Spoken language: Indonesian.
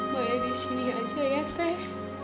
maya disini aja ya teh